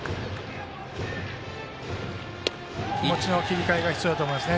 気持ちの切り替えが必要だと思いますね。